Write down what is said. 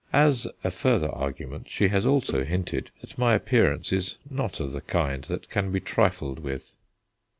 As a further argument, she has also hinted that my appearance is not of the kind that can be trifled with.